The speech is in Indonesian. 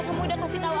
kamu udah kasih tahu apa